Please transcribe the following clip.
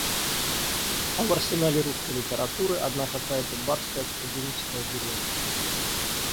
А в арсенале русской литературы одна какая-то барская тургеневская деревня.